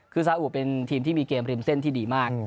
คือซาอุเป็นทีมที่มีเกมริมเส้นที่ดีมาก